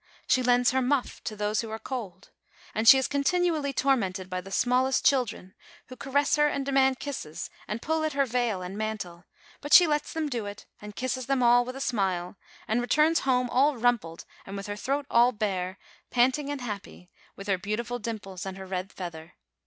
She lends her muff to those who are cold. And she is continually tormented by the smallest children, who caress her and demand kisses, and pull at her veil and mantle; but she lets them do it, and kisses them all with a smile, and returns home all rumpled and with her throat all bare, panting and happy, with her beautiful dimples THE WOUNDED MAN 69 and her red feather.